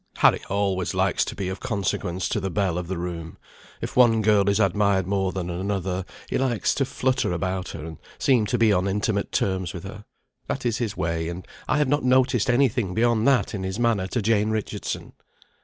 "Harry always likes to be of consequence to the belle of the room. If one girl is more admired than another, he likes to flutter about her, and seem to be on intimate terms with her. That is his way, and I have not noticed any thing beyond that in his manner to Jane Richardson."